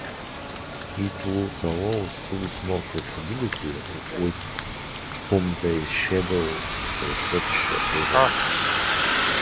It would allow schools more flexibility with whom they schedule for such events.